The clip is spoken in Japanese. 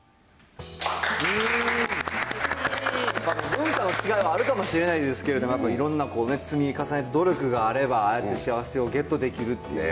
文化の違いはあるかもしれないですけど、やっぱりいろんな積み重ねと努力があれば、ああやって幸せをゲットできるって。